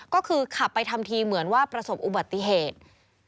ก็คือขับไปทำทีเหมือนว่าประสบอุบัติเหตุ